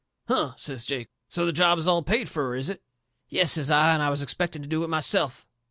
"Huh!" says Jake. "So the job is all paid fur, is it?" "Yes," says I, "and I was expecting to do it myself.